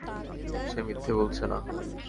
সে মিথ্যে বলছে না।